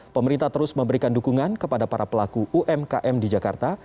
pemerintah terus memberikan dukungan kepada para pelaku umkm di jakarta